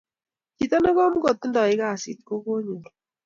chito ne komkotindai kasit ko kokonyor